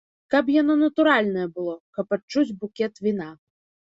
Каб яно натуральнае было, каб адчуць букет віна.